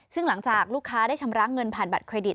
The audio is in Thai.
ซึ่งหลังจากลูกค้าได้ชำระเงินผ่านบัตรเครดิต